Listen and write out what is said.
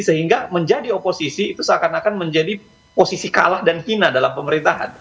sehingga menjadi oposisi itu seakan akan menjadi posisi kalah dan hina dalam pemerintahan